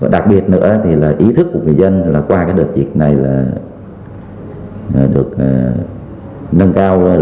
đặc biệt nữa thì là ý thức của người dân là qua cái đợt dịch này là được nâng cao